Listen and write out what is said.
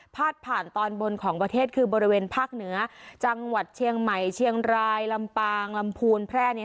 ผ่านตอนบนของประเทศคือบริเวณภาคเหนือจังหวัดเชียงใหม่เชียงรายลำปางลำพูนแพร่นี้